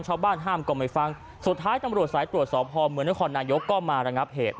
ห้ามก็ไม่ฟังสุดท้ายตำรวจสายตรวจสอบพอเมืองนครนายกก็มาระงับเหตุ